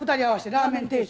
ラーメン定食。